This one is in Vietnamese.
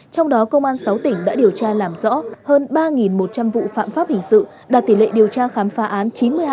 trong đó công an sáu tỉnh đã điều tra làm rõ hơn ba một trăm linh vụ phạm pháp hình sự đạt tỷ lệ điều tra khám phá án chín mươi hai